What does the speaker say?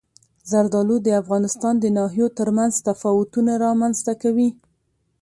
زردالو د افغانستان د ناحیو ترمنځ تفاوتونه رامنځته کوي.